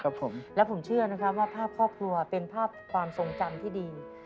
ครับผมและผมเชื่อนะครับว่าภาพครอบครัวเป็นภาพความทรงจำที่ดี